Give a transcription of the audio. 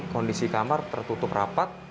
kondisi kamar tertutup rapat